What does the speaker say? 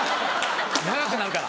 長くなるから。